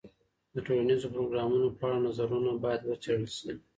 د ټولنیزو پروګرامونو په اړه نظرونه باید وڅېړل سي.